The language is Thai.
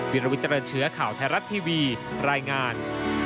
วิลวิเจริญเชื้อข่าวไทยรัฐทีวีรายงาน